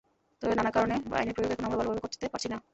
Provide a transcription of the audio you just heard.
তবে নানা কারণে আইনের প্রয়োগ এখনো আমরা ভালোভাবে করতে পারছি না।